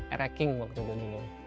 eraking waktu itu dulu